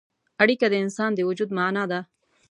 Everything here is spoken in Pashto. اړیکه د انسان د وجود معنا ده.